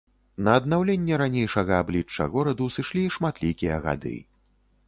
На аднаўленне ранейшага аблічча гораду сышлі шматлікія гады.